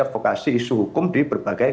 advokasi isu hukum di berbagai